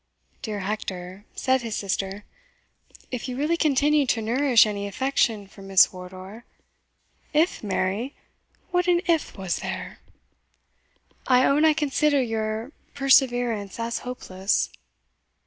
"Dear Hector," said his sister, "if you really continue to nourish any affection for Miss Wardour" "If, Mary? what an if was there!" " I own I consider your perseverance as hopeless."